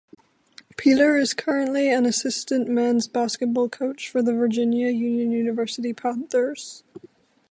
Peeler is currently an assistant men's basketball coach for the Virginia Union University Panthers.